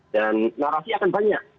dan narasi akan banyak